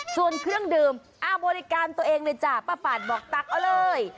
ส่วนเครื่องดื่มบริการตัวเองเลยจ้ะป้าปาดบอกตักเอาเลย